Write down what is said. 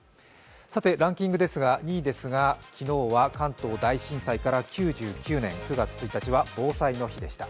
さて、ランキング、２位ですが昨日は関東大震災から９９年、９月１日は防災の日でした。